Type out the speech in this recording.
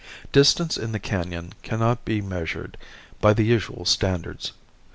Distance in the canon cannot be measured by the usual standards.